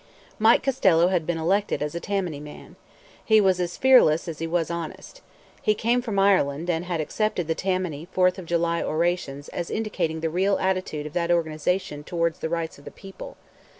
Mike Costello had been elected as a Tammany man. He was as fearless as he was honest. He came from Ireland, and had accepted the Tammany Fourth of July orations as indicating the real attitude of that organization towards the rights of the people.